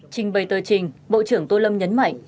trình bày tờ trình bộ trưởng tô lâm nhấn mạnh